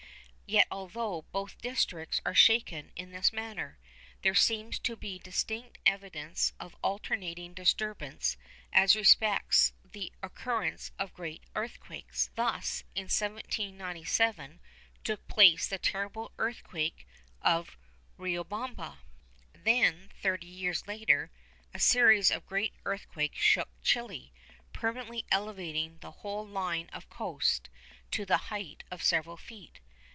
Yet, although both districts are shaken in this manner, there seems to be distinct evidence of alternating disturbance as respects the occurrence of great earthquakes. Thus in 1797 took place the terrible earthquake of Riobamba. Then, thirty years later, a series of great earthquakes shook Chili, permanently elevating the whole line of coast to the height of several feet.